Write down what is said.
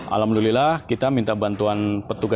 alhamdulillah kita minta bantuan petugas